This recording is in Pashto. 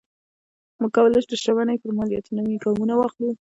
موږ کولی شو د شتمنۍ پر مالیاتو نوي ګامونه واخلو.